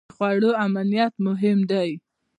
د خوړو امنیت مهم دی.